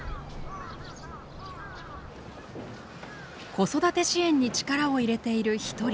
子育て支援に力を入れている一人